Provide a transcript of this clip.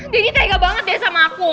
tega banget deh sama aku